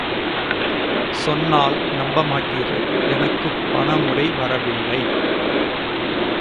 சொன்னால் நம்பமாட்டீர்கள், எனக்குப் பணமுடை வரவில்லை.